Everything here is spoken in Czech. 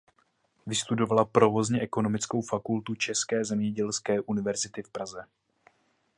Vystudovala Provozně ekonomickou fakultu České zemědělské univerzity v Praze.